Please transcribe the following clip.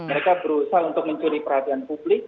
mereka berusaha untuk mencuri perhatian publik